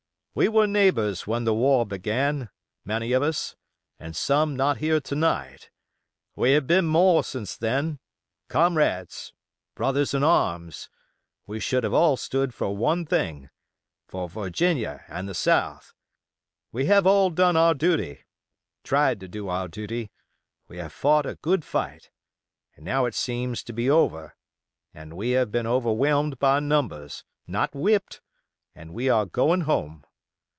We were neighbors when the war began—many of us, and some not here to night; we have been more since then—comrades, brothers in arms; we have all stood for one thing—for Virginia and the South; we have all done our duty—tried to do our duty; we have fought a good fight, and now it seems to be over, and we have been overwhelmed by numbers, not whipped—and we are going home.